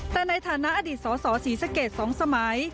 แต่ในฐานะอดีตสสศรีสะเกด๒สมัย